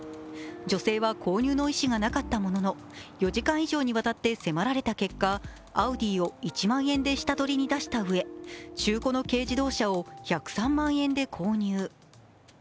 女性は購入の意思がなかったものの４時間以上にわたって迫られた結果、アウディを１万円で下取りに出したうえ中古の軽自動車を１０３万円で購入。